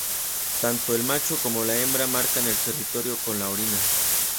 Tanto el macho como la hembra marcan el territorio con la orina.